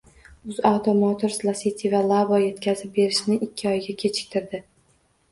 UzAuto Motors Lacetti va Labo yetkazib berishniikkioyga kechiktirdi